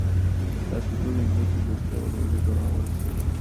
کاشکې ټولې نړۍ ته د دوستۍ او ورورولۍ پیغام ورسیږي.